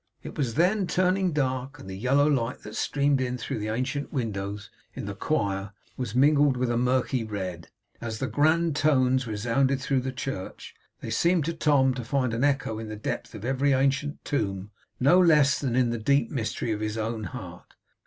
It was then turning dark, and the yellow light that streamed in through the ancient windows in the choir was mingled with a murky red. As the grand tones resounded through the church, they seemed, to Tom, to find an echo in the depth of every ancient tomb, no less than in the deep mystery of his own heart.